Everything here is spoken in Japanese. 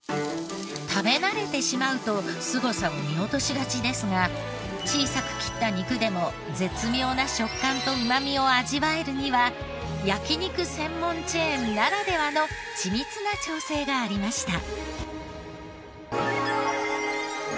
食べ慣れてしまうとすごさを見落としがちですが小さく切った肉でも絶妙な食感とうまみを味わえるには焼肉専門チェーンならではの緻密な調整がありました。